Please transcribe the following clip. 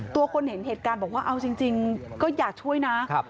คนเห็นเหตุการณ์บอกว่าเอาจริงก็อยากช่วยนะ